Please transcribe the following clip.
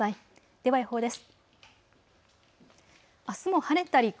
では予報です。